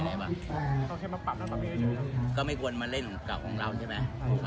เฮ้ยเลขที่บ้านก็ลุมเลขที่บ้านที่นั่ง